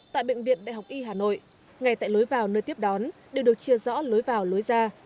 tại bệnh viện đại học y hà nội ngay tại lối vào nơi tiếp đón đều được chia rõ lối vào lối ra